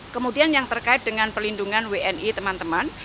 kemudian yang terkait dengan pelindungan wni teman teman